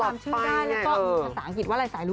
ภาษาอังกฤษว่าอะไรภายุ